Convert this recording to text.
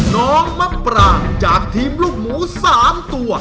น้องมะปรางจากทีมลูกหมู๓ตัว